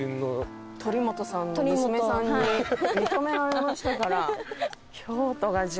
鳥居本さんの娘さんに認められましたから。